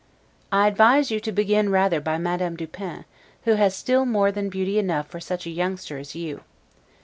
I advise you to begin rather by Madame du Pin, who has still more than beauty enough for such a youngster as you.